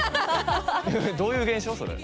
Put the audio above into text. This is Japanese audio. どういう現象それ。